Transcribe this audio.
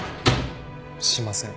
しません。